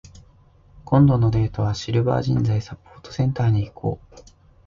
今度のデートは、シルバー人材サポートセンターに行こう。